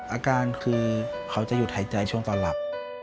อาการคือเขาจะหยุดหายใจช่วงตอนหลับ